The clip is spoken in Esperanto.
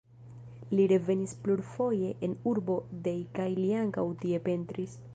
Li revenis plurfoje en urbon Dej kaj li ankaŭ tie pentris.